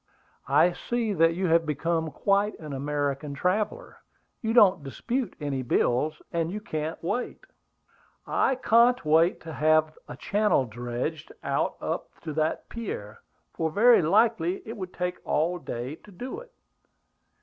"I see that you have become quite an American traveller; you don't dispute any bills, and you can't wait." "I can't wait to have a channel dredged out up to that pier, for very likely it would take all day to do it."